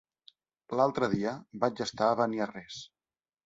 L'altre dia vaig estar a Beniarrés.